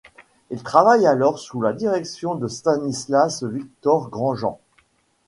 Il travaille alors sous la direction de Stanislas-Victor Grangent.